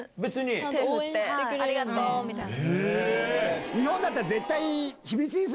手振ってありがとう！みたいな。